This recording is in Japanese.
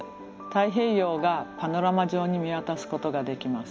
太平洋がパノラマ上に見渡すことができます。